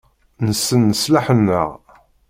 Nessen leṣlaḥ-nneɣ.